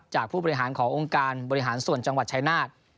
ผู้บริหารขององค์การบริหารส่วนจังหวัดชายนาฏ